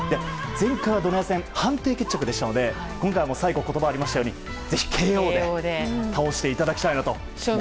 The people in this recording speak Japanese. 前回ドネア戦は判定決着でしたので今回ありましたようにぜひ、ＫＯで倒していただきたいなと。